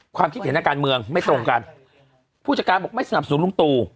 ความคิดเห็นทางการเมืองไม่ตรงกันผู้จัดการบอกไม่สนับสนุนลุงตู่